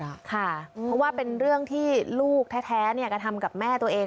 เพราะว่าเป็นเรื่องที่ลูกแท้กระทำกับแม่ตัวเอง